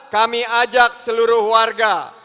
kami ajak seluruh warga